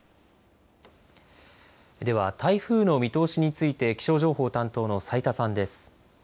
では、台風の見通しについて気象情報担当の斉田さんです。